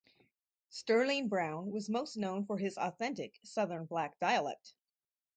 Sterling Brown was most known for his authentic southern black dialect.